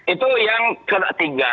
itu yang ketiga